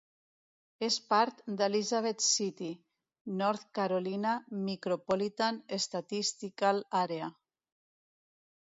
És part d'Elizabeth City, North Carolina Micropolitan Statistical Area.